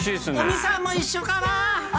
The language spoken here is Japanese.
尾身さんも一緒かな。